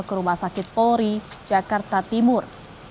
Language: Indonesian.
ke rumah sakit polri jakarta timur